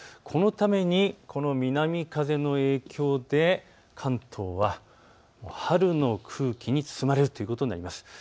このためこの南風の影響で関東は春の空気に包まれることになります。